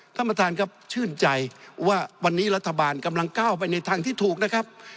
ท่านประธานครับชื่นใจว่าวันนี้รัฐบาลกำลังก้าวไปในทางที่ถูกนะครับ